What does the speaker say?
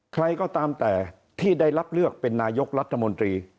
ใครก็ตามแต่ที่ได้รับเลือกเป็นนายกรัฐมนตรี